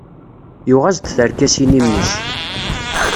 Yuɣ-as-d tarkasin i mmi-s.